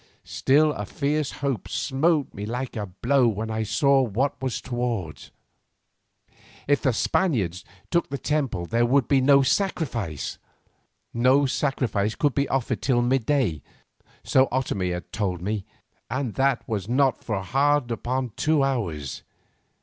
Still a fierce hope smote me like a blow when I saw what was toward. If the Spaniards took the temple there would be no sacrifice. No sacrifice could be offered till midday, so Otomie had told me, and that was not for hard upon two hours.